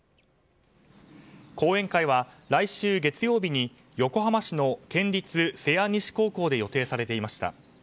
講演会は来週月曜日に横浜市の県立瀬谷西高校で予定されていました。